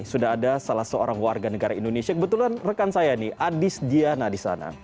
sudah ada salah seorang warga negara indonesia kebetulan rekan saya nih adis diana di sana